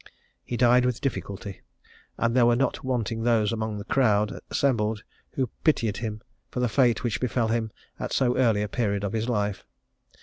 He died with difficulty; and there were not wanting those among the crowd assembled, who pitied him for the fate which befel him at so early a period of his life.